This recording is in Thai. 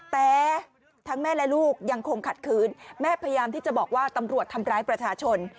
แต่ทั้งแม่และลูกยังคงขัดคืนแม่พยายามที่จะบอกว่าตำรวจทำร้ายประชาชน